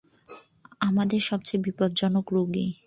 আমাদের সবচেয়ে বিপজ্জনক রোগী।